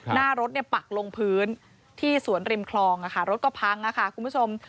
หน้ารถเนี้ยปักลงพื้นที่สวนริมคลองอ่ะค่ะรถก็พังอ่ะค่ะคุณผู้ชม